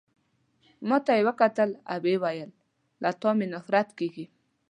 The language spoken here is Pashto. ما ته يې وکتل او ويې ویل: له تا مي نفرت کیږي.